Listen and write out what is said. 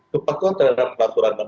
kepatuan terhadap peraturan